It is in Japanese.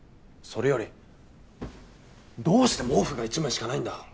それよりどうして毛布が１枚しかないんだ！